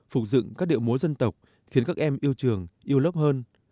phục dựng các điệu múa dân tộc khiến các em yêu trường yêu lớp hơn